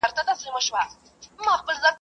انګرېزان ولي نه وه ښخ سوي؟